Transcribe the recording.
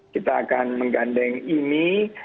kita akan menggandeng ini